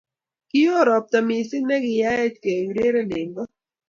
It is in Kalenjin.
Kio robta mising ne kiyaech keureren eng ko